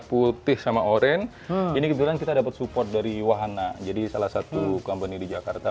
putih sama oranye ini kejadian kita dapat support dari wahana jadi salah satu company di jakarta